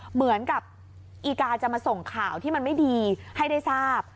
เหมือนกับอีกาจะมาส่งข่าวที่มันไม่ดีให้ได้ทราบ